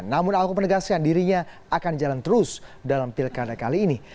namun ahok menegaskan dirinya akan jalan terus dalam pilkada kali ini